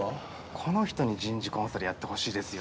この人に人事コンサルやってほしいですよ